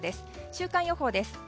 週間予報です。